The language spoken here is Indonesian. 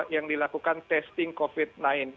yang dilakukan testing covid sembilan belas